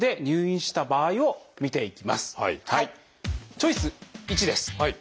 チョイス１です。